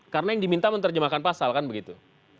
karena yang diminta menerjemahkan pasal kan begitu